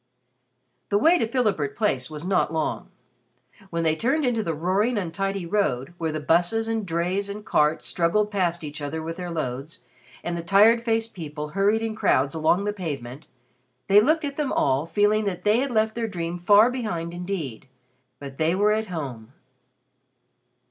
The way to Philibert Place was not long. When they turned into the roaring, untidy road, where the busses and drays and carts struggled past each other with their loads, and the tired faced people hurried in crowds along the pavement, they looked at them all feeling that they had left their dream far behind indeed. But they were at home.